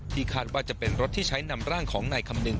คาดว่าจะเป็นรถที่ใช้นำร่างของนายคำนึง